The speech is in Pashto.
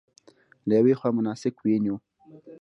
له یوې خوا مناسک وینو.